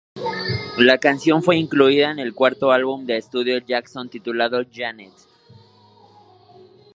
La canción fue incluida en el cuarto álbum de estudio de Jackson, titulado "janet.